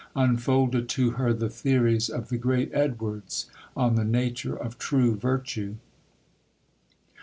unfolded to her the theories of the great Edwards on the nature of true virtue.